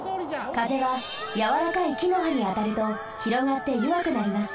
風はやわらかい木の葉にあたるとひろがってよわくなります。